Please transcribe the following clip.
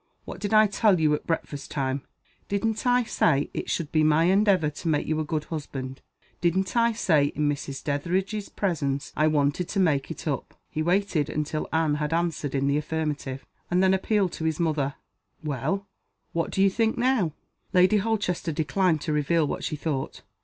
What did I tell you at breakfast time? Didn't I say it should be my endeavor to make you a good husband? Didn't I say in Mrs. Dethridge's presence I wanted to make it up?" He waited until Anne had answered in the affirmative, and then appealed to his mother. "Well? what do you think now?" Lady Holchester declined to reveal what she thought.